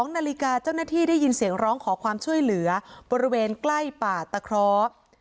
๒นาฬิกาเจ้าหน้าที่ได้ยินเสียงร้องขอความช่วยเหลือบริเวณใกล้ป่าตะเคราะห์